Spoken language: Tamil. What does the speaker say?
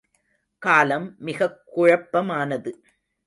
காலம் மிகக் குழப்பமானது.